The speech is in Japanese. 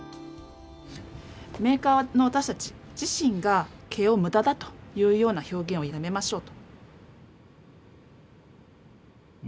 メーカーの私たち自身が毛をムダだというような表現をやめましょうと。